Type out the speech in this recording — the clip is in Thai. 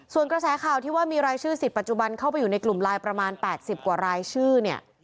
ส่วนกระแสข่าวที่ว่ามีรายชื่อสิทธิปัจจุบันเข้าไปอยู่ในกลุ่มไลน์ประมาณ๘๐กว่ารายชื่อเนี่ย